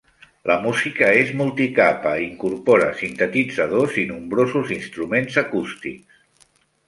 La música és multicapa i incorpora sintetitzadors i nombrosos instruments acústics.